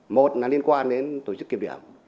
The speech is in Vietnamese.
một là liên quan đến tổ chức kiểm điểm